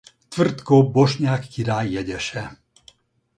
Tvrtko bosnyák király jegyese.